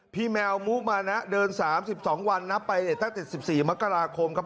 พี่แมวมุ่งมานะเดิน๓๒วันนะไปตั้งแต่๗๔มกราคมครับ